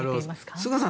菅さん